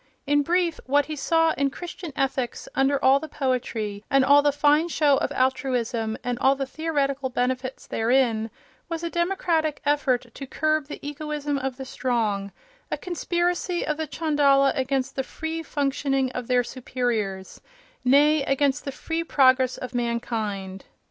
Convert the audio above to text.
In brief, what he saw in Christian ethics, under all the poetry and all the fine show of altruism and all the theoretical benefits therein, was a democratic effort to curb the egoism of the strong—a conspiracy of the chandala against the free functioning of their superiors, nay, against the free progress of mankind.